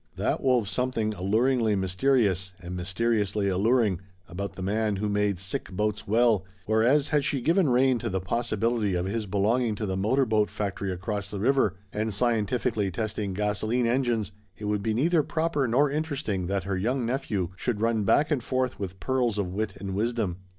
That wove something alluringly mysterious and mysteriously alluring about the man who made sick boats well, whereas had she given rein to the possibility of his belonging to the motorboat factory across the river, and scientifically testing gasoline engines it would be neither proper nor interesting that her young nephew should run back and forth with pearls of wit and wisdom.